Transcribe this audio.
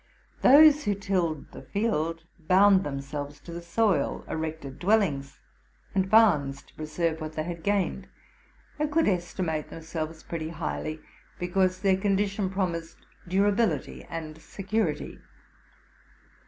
Those who tilled the field bound themselves to the soil, erected dwellings and barns to preserve what they had gained, and could estimate themselves pretty highly, because their con dition promised durability and security.